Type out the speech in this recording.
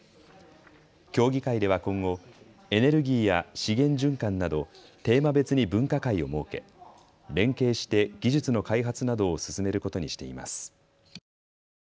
協議会では今後、エネルギーや資源循環などテーマ別に分科会を設け連携して技術の開発などを進めることにしています。